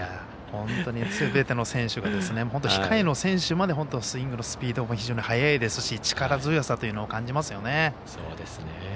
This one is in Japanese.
本当に、すべての選手が控えの選手までスイングのスピードも非常に速いですし力強さというのを感じますよね。